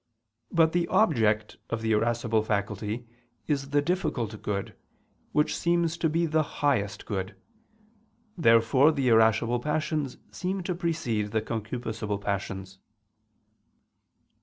But the object of the irascible faculty is the difficult good, which seems to be the highest good. Therefore the irascible passions seem to precede the concupiscible passions.